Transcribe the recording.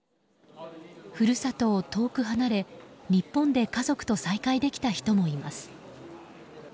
故郷を遠く離れ日本で家族と再会できた人もいます。